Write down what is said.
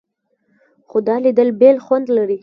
خو دا لیدل بېل خوند لري.